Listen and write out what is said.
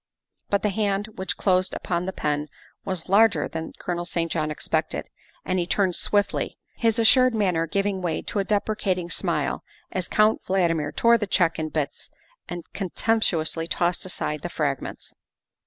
But the hand which closed upon the pen was larger than Colonel St. John expected, and he turned swiftly, his assured manner giving way to a deprecating smile as Count Valdmir tore the check in bits and contempt uously tossed aside the fragments.